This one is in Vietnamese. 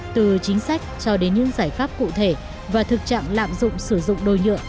từ chính sách cho đến những giải pháp cụ thể và thực trạng lạm dụng sử dụng đôi nhựa